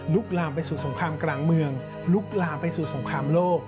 ลามไปสู่สงครามกลางเมืองลุกลามไปสู่สงครามโลก